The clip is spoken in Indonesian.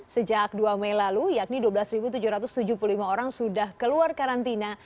sejak dua mei lalu yakni dua belas tujuh ratus tujuh puluh lima orang sudah keluar karantina